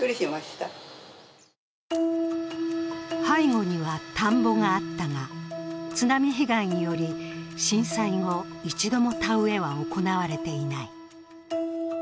背後には田んぼがあったが、津波被害により震災後、一度も田植えは行われていない。